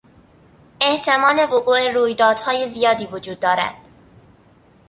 احتمال وقوع رویدادهای زیادی وجود دارد.